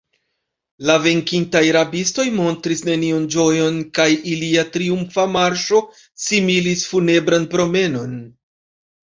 La venkintaj rabistoj montris neniun ĝojon, kaj ilia triumfa marŝo similis funebran promenon.